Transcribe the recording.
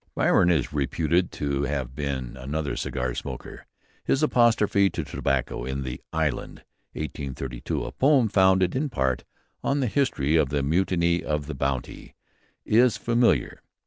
Byron is reputed to have been another cigar smoker. His apostrophe to tobacco in "The Island" (1823), a poem founded in part on the history of the Mutiny of the Bounty, is familiar.